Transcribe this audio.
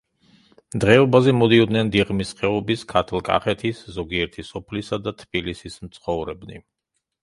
დღეობაზე მოდიოდნენ დიღმის ხეობის, ქართლ-კახეთის ზოგიერთი სოფლისა და თბილისის მცხოვრებნი.